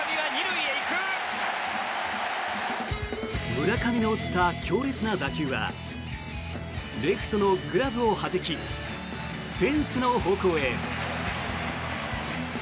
村上の打った強烈な打球はレフトのグラブをはじきフェンスの方向へ。